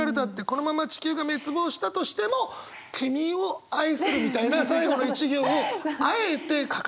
このまま地球が滅亡したとしても君を愛する」みたいな最後の一行をあえて書かない。